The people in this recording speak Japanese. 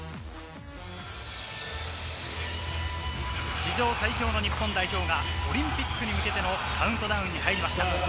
史上最強の日本代表がオリンピックに向けてのカウントダウンに入りました。